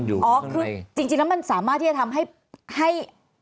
อ๋อคือจริงแล้วมันสามารถที่จะทำให้